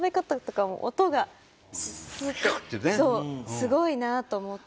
すごいなと思って。